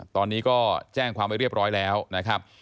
ตอนนี้ก็แจ้งความไว้เรียบร้อยแล้วนะครับ